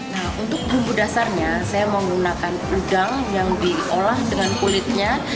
nah untuk bumbu dasarnya saya menggunakan udang yang diolah dengan kulitnya